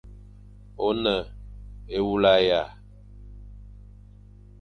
One ewula ya?